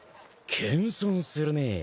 謙遜するねぇ。